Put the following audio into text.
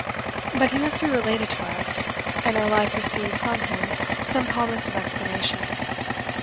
But he must be related to us, and our life receive from him some promise of explanation.